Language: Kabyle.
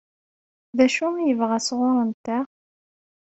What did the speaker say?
D acu i yebɣa sɣur-nteɣ?